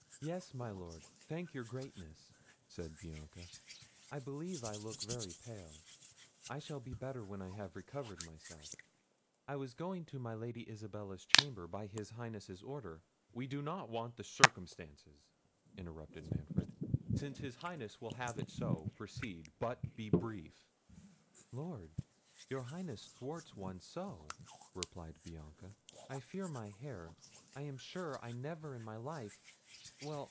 "Yes, my Lord, thank your Greatness," said Bianca; "I believe I look very pale; I shall be better when I have recovered myself—I was going to my Lady Isabella's chamber, by his Highness's order—" "We do not want the circumstances," interrupted Manfred. "Since his Highness will have it so, proceed; but be brief." "Lord! your Highness thwarts one so!" replied Bianca; "I fear my hair—I am sure I never in my life—well!